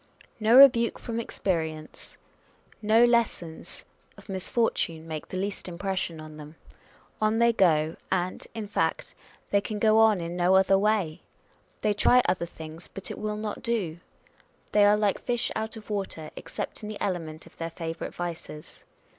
No rebuke from experience, no lessons of On Personal Character. 337 misfortune, make the least impression on them. On they go ; and, in fact, they can go on in no other way. They try other things, but it will not do. They are like fish out of water, except in the element of their favourite vices.